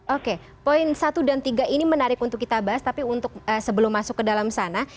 oke poin satu dan tiga ini menarik untuk kita bahas tapi untuk sebelum masuk ke dalam sana